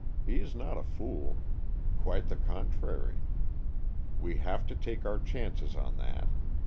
He is not a fool. Quite the contrary. We have to take our chances on that.